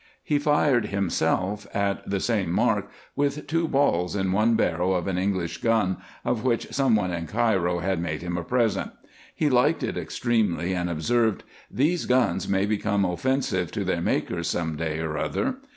He fired himself at the same mark with two balls in one barrel of an English gun, of which some one in Cairo had made him a present He liked it extremely ; and observed, " These guns may become offensive to their makers some day or other."